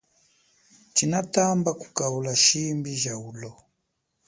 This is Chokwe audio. Tshinatamba kukaula shimbi ja ulo.